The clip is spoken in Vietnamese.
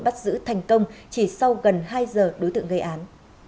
bắt giữ thành công chỉ sau gần hai giờ đối tượng gây án